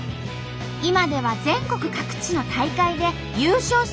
今では全国各地の大会で優勝する実力者に。